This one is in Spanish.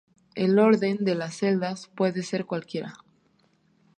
El orden de las celdas puede ser cualquiera.